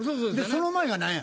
その前が何や？